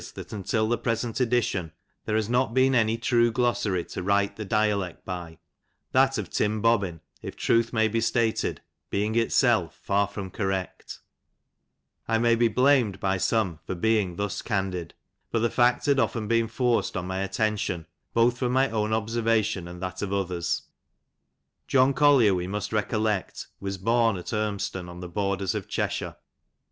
that ontil the present edition, there haj ^ot teec anj true glossary to ffrila the dialect by, that ot Tim Bobbin, if tnilh may be •tated, being itself far from correct I may beblamed bj some, &r being thiu candid, bat the &ct had often been forced on my attention, both fiwm my own obaemtion and tliat of others. John Collier, we mnst recollect, nas bom at Unnston, on the borders of Cheshire.